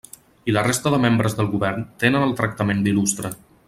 I la resta de membres del govern tenen el tractament d'il·lustre.